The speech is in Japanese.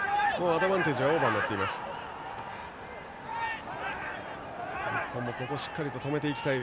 アドバンテージはオーバーになっています。